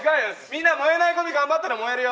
みんな燃えないゴミ頑張ったら燃えるよ。